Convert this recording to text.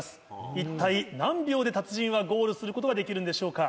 一体何秒で達人はゴールすることができるんでしょうか。